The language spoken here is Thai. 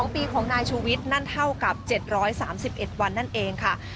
๒ปีของนายชูวิทย์นั่นเท่ากับ๗๓๑วันนั่นเองค่ะ